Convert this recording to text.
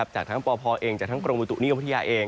จากทั้งปพเองจากทั้งกรมบุตุนิยมพัทยาเอง